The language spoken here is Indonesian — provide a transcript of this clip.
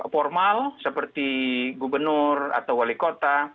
formal seperti gubernur atau wali kota